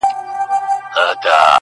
لكه د مور چي د دعا خبر په لپه كــي وي.